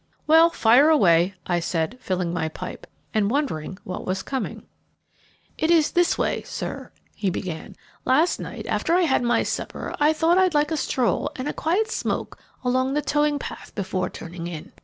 "Well, fire away," I said, filling my pipe, and wondering what was coming. "It is this way, sir," he began. "Last night after I had had my supper I thought I'd like a stroll and a quiet smoke along the towing path before turning in.